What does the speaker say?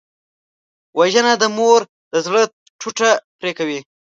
وژنه د مور د زړه ټوټه پرې کوي